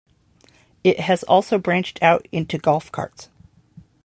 It has also branched out into golf carts.